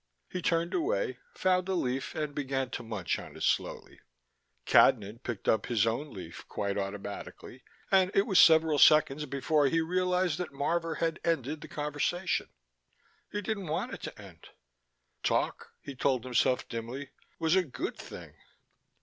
He turned away, found a leaf and began to munch on it slowly. Cadnan picked up his own leaf quite automatically, and it was several seconds before he realized that Marvor had ended the conversation. He didn't want it to end. Talk, he told himself dimly, was a good thing.